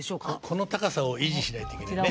この高さを維持しないといけないね。